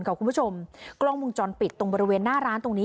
คุณผู้ชมกล้องวงจรปิดตรงบริเวณหน้าร้านตรงนี้